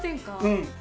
うん。